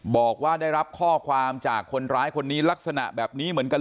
บอกว่าได้รับข้อความจากคนร้ายคนนี้ลักษณะแบบนี้เหมือนกัน